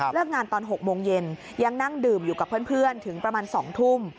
งานตอน๖โมงเย็นยังนั่งดื่มอยู่กับเพื่อนถึงประมาณ๒ทุ่ม